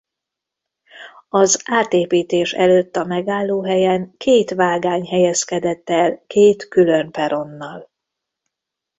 Az átépítés előtt a megállóhelyen két vágány helyezkedett el két külön peronnal.